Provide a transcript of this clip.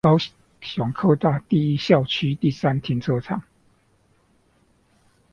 高雄科大第一東校區第三停車場